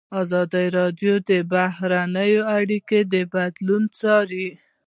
ازادي راډیو د بهرنۍ اړیکې بدلونونه څارلي.